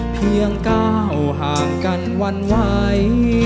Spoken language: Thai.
เพียงก้าวห่างกันวันไหว